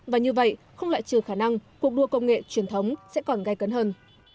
và như vậy không lại trừ khả năng cuộc đua công nghệ truyền thống sẽ còn gai cấn hơn